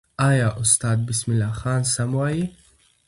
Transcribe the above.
آیا استاد بسم الله خان سم وایي؟